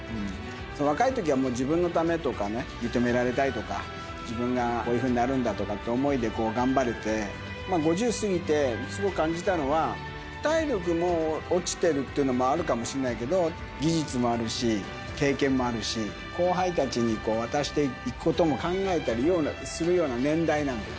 若いときはもう、自分のためとかね、認められたいとか、自分がこういうふうになるんだとかっていう思いで頑張れて、５０過ぎてすごく感じたのは、体力も落ちてるっていうのもあるかもしんないけど、技術もあるし、経験もあるし、後輩たちに渡していくことも考えたりするような年代なのよ。